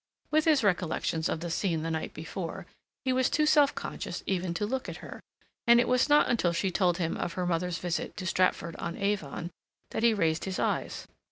With his recollections of the scene the night before, he was too self conscious even to look at her, and it was not until she told him of her mother's visit to Stratford on Avon that he raised his eyes.